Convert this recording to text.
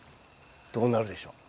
どうなるでしょう？